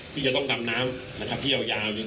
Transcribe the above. คุณผู้ชมไปฟังผู้ว่ารัฐกาลจังหวัดเชียงรายแถลงตอนนี้ค่ะ